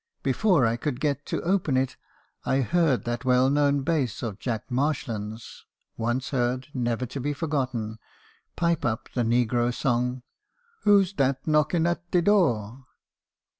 Before I could get to open it, I heard that well known bass of Jack Marshland's, once heard never to be forgotten, pipe up the negro song, * 'Who 's dat knocking at de door?